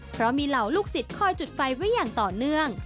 เพราะมีเหล่าลูกศิษย์คอยจุดไฟไว้อย่างต่อเนื่อง